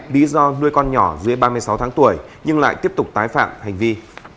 bí do nuôi con nhỏ dưới ba mươi sáu tháng tuổi nhưng lại tiếp tục tái phạm hành vi